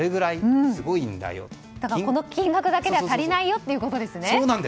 この金額だけでは足りないよっていうことですね。